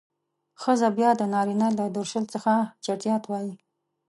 ښځه بيا د نارينه له درشل څخه چټيات وايي.